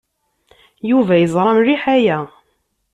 Yuba yeẓra mliḥ aya.